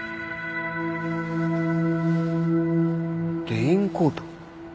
レインコート？